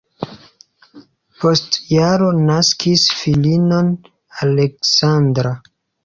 Post jaro naskis filinon Aleksandra.